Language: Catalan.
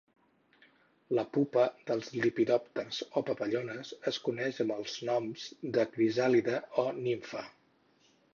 La pupa dels lepidòpters o papallones es coneix amb els noms de crisàlide o nimfa.